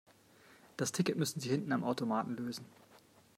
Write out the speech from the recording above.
Das Ticket müssen Sie hinten am Automaten lösen.